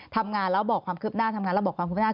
ทำงานแล้วบอกความคืบหน้าทำงานแล้วบอกความคืบหน้า